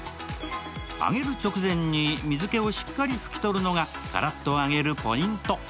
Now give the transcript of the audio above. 揚げる直前に水けをしっかり拭き取るのがカラッと揚げるポイント。